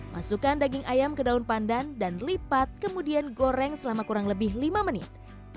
masukkan daging ayam ke daun pandan dan lipat kemudian goreng selama kurang lebih lima menit